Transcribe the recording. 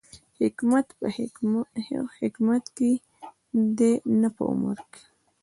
حکمت په حکمت کې دی، نه په عمر کې